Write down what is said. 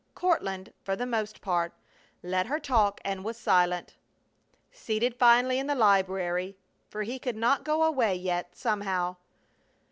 Courtland, for the most part, let her talk and was silent. Seated finally in the library, for he could not go away yet, somehow.